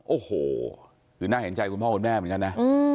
โอ้โหคือน่าเห็นใจคุณพ่อคุณแม่เหมือนกันนะ